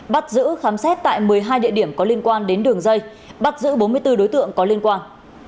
bắt giữ khám xét tại một mươi hai địa điểm có liên quan đến đường dây bắt giữ bốn mươi bốn đối tượng có liên quan